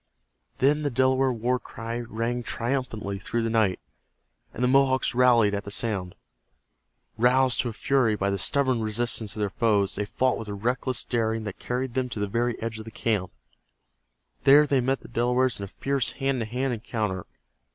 Then the Delaware war cry rang triumphantly through the night, and the Mohawks rallied at the sound. Roused to a fury by the stubborn resistance of their foes, they fought with a reckless daring that carried them to the very edge of the camp. There they met the Delawares in a fierce hand to hand encounter.